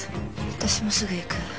私もすぐ行く☎